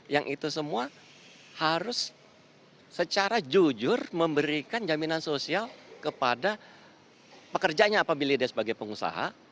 yang itu semua harus secara jujur memberikan jaminan sosial kepada pekerjanya apabila dia sebagai pengusaha